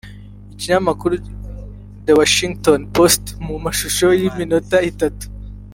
Ikinyamakuru The Washington Post mu mashusho y’iminota itatu